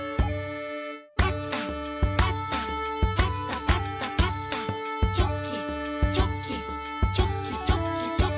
「パタパタパタパタパタ」「チョキチョキチョキチョキチョキ」